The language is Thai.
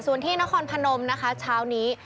ส่วนที่นครพนมนะคะเช้านี้